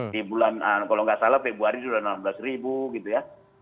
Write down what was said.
di bulan kalau nggak salah februari sudah enam belas ribu gitu ya